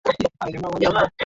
Nilifungua mlango.